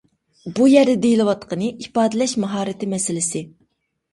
بۇ يەردە دېيىلىۋاتقىنى ئىپادىلەش ماھارىتى مەسىلىسى.